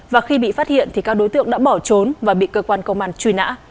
và khi bị phát hiện thì các đối tượng đã bỏ trốn và bị cơ quan công an truy nã